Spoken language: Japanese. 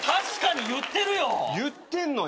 言ってんのよ。